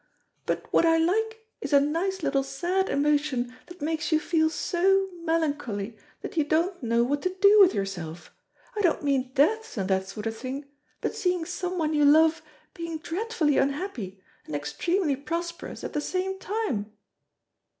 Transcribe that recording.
"But what I like is a nice little sad emotion that makes you feel so melancholy you don't know what to do with yourself. I don't mean deaths and that sort of thing, but seeing someone you love being dreadfully unhappy and extremely prosperous at the same time."